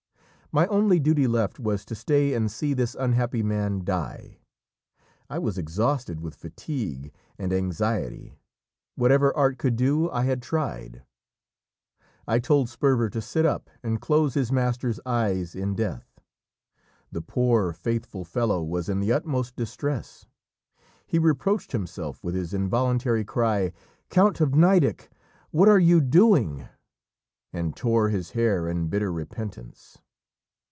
My only duty left was to stay and see this unhappy man die. I was exhausted with fatigue and anxiety; whatever art could do I had tried. I told Sperver to sit up, and close his master's eyes in death. The poor faithful fellow was in the utmost distress; he reproached himself with his involuntary cry "Count of Nideck what are you doing?" and tore his hair in bitter repentance.